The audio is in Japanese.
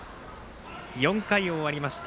４回終わりました。